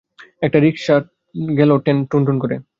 একটা রিকশা গেল টুনটুন করে।